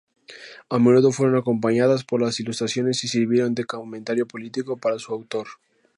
A menudo fueron acompañadas por ilustraciones y sirvieron de comentario político para su autor.